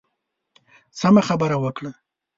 سمه خبره وکړه.